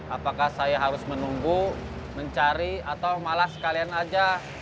apakah saya harus menunggu mencari atau malah sekalian saja